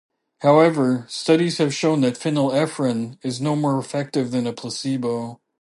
However, studies have shown that phenylephrine is no more effective than a placebo.